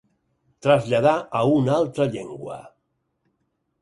Traslladà a una altra llengua.